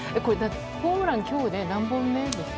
ホームランは今日で何本目ですか？